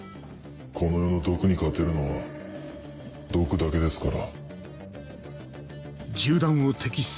この世の毒に勝てるのは毒だけですから。